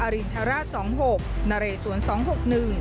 อรินทราส๒๖นรสวน๒๖๑